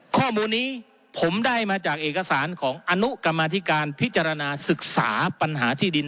ข้อมูลนี้ผมได้มาจากเอกสารของอนุกรรมธิการพิจารณาศึกษาปัญหาที่ดิน